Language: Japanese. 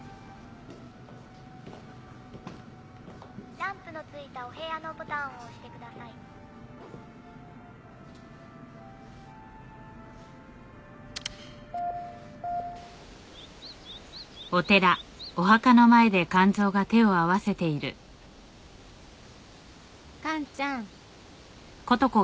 「ランプのついたお部屋のボタンを押してください」完ちゃん。